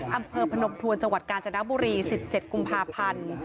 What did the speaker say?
อำเภอพนมทวนจังหวัดกาญจนบุรี๑๗กุมภาพันธ์